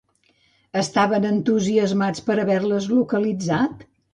Estaven entusiasmats per haver-les localitzat?